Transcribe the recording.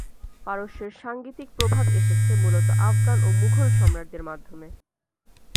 পারস্যের সাঙ্গীতিক প্রভাব এসেছে মূলতঃ আফগান ও মুঘল সম্রাটদের মাধ্যমে।